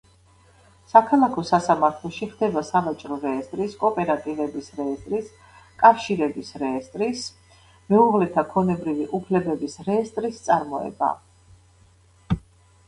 საქალაქო სასამართლოში ხდება სავაჭრო რეესტრის, კოოპერატივების რეესტრის, კავშირების რეესტრის, მეუღლეთა ქონებრივი უფლებების რეესტრის წარმოება.